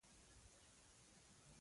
دی لا تنکی ځوان و.